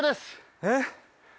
えっ？